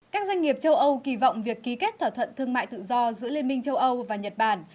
các doanh nghiệp châu âu kỳ vọng việc ký kết thỏa thuận thương mại tự do giữa liên minh châu âu và nhật bản